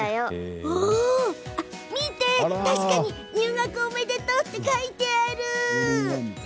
確かに「入学おめでとう」って書いてある。